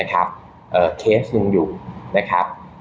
เงียบอยู่นะครับ